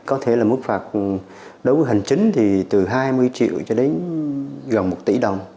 có thể là mức phạt đối với hành chính thì từ hai mươi triệu cho đến gần một tỷ đồng